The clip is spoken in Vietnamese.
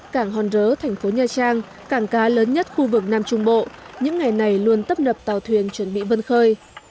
cảng hòn rớ thành phố nha trang cảng cá lớn nhất khu vực nam trung bộ những ngày này luôn tấp nập tàu thuyền chuẩn bị vân khơi